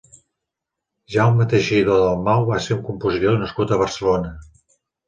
Jaume Teixidor Dalmau va ser un compositor nascut a Barcelona.